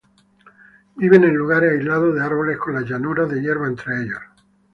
Viven en lugares aislados de árboles con las llanuras de hierba entre ellos.